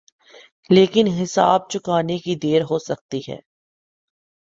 لیکن حساب چکانے کی دیر ہو سکتی ہے۔